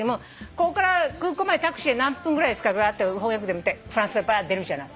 「ここから空港までタクシーで何分くらいですか？」って翻訳でフランス語がバーって出るじゃない。